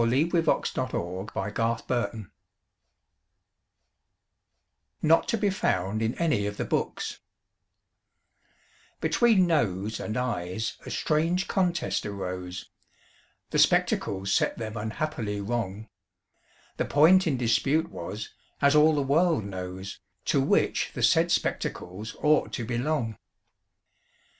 Burnand._ REPORT OF AN ADJUDGED CASE NOT TO BE FOUND IN ANY OF THE BOOKS Between Nose and Eyes a strange contest arose, The spectacles set them unhappily wrong; The point in dispute was, as all the world knows, To which the said spectacles ought to belong.